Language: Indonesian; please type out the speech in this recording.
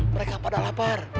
mereka pada lapar